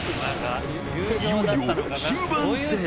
いよいよ終盤戦。